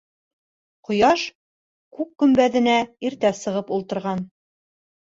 ... Ҡояш күк көмбәҙенә иртә сығып ултырған.